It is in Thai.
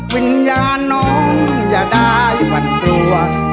วิญญาน้องอย่าได้ฝันกลัว